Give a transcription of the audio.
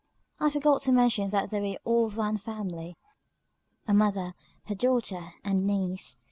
I forgot to mention that they were all of one family, a mother, her daughter, and niece.